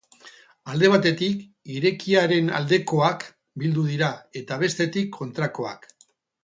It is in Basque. Alde batetik, irekieraren aldekoak bildu dira, eta bestetik, kontrakoak.